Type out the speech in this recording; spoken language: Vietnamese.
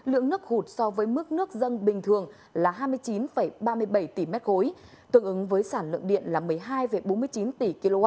lượng nước hụt so với mức nước dân bình thường là hai mươi chín ba mươi bảy tỷ m ba tương ứng với sản lượng điện là một mươi hai bốn mươi chín tỷ kwh